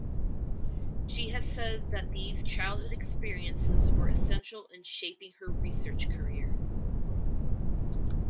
She has said that these childhood experiences were essential in shaping her research career.